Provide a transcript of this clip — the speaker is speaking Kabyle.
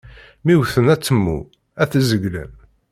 Mi wwten atemmu, ad t-zeglen.